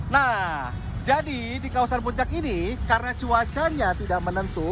nah jadi di kawasan puncak ini karena cuacanya tidak menentu